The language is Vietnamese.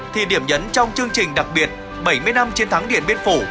thì điểm nhấn trong chương trình đặc biệt bảy mươi năm chiến thắng điện biên phủ